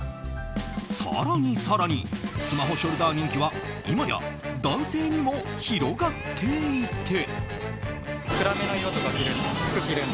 更に更にスマホショルダー人気は今や男性にも広がっていて。